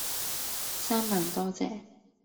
三萬多謝